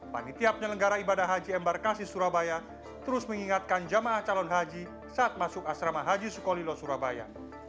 panitia penyelenggara ibadah haji embarkasi surabaya terus mengingatkan jemaah calon haji saat masuk asrama haji sukolilo surabaya